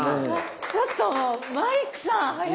ちょっとマリックさん。